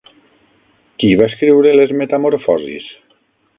Qui va escriure Les Metamorfosis?